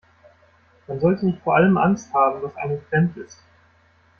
Man sollte nicht vor allem Angst haben, was einem fremd ist.